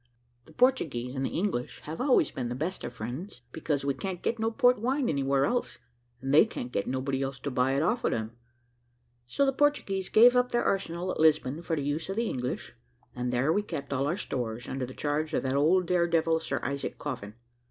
The Portuguese and the English have always been the best of friends, because we can't get no port wine anywhere else, and they can't get nobody else to buy it of them; so the Portuguese gave up their arsenal at Lisbon, for the use of the English, and there we kept all our stores, under the charge of that old dare devil, Sir Isaac Coffin.